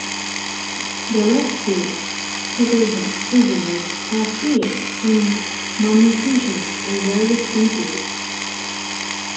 The rescued Tebezza prisoners are treated for malnutrition and various injuries.